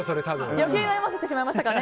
余計に惑わせてしまいましたかね。